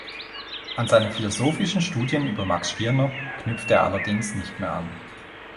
An seine philosophischen Studien über Max Stirner knüpfte er allerdings nicht mehr an.